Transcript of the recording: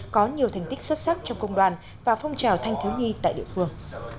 có nhiều thành tích xuất sắc trong công đoàn và phong trào thanh thiếu nhi tại địa phương